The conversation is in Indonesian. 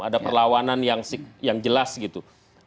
ada perlawanan yang jelas gitu